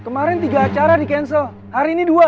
kemarin tiga acara di cancel hari ini dua